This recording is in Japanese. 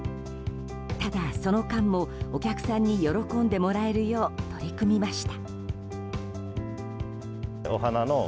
ただ、その間もお客さんに喜んでもらえるよう取り組みました。